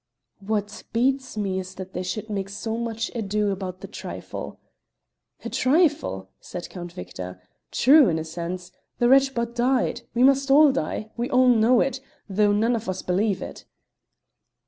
"What beats me is that they should make so much ado about a trifle." "A trifle!" said Count Victor. "True, in a sense. The wretch but died. We must all die; we all know it, though none of us believe it."